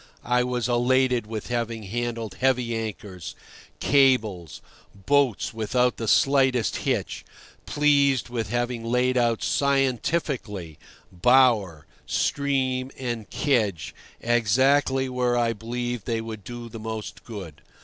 I was elated with having handled heavy anchors, cables, boats without the slightest hitch; pleased with having laid out scientifically bower, stream, and kedge exactly where I believed they would do most good.